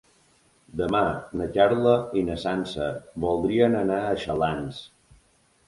Demà na Carla i na Sança voldrien anar a Xalans.